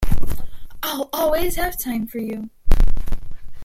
I'll always have time for you.